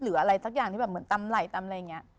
อะไรสักอย่างที่แบบเหมือนตำไหล่ตำอะไรอย่างนี้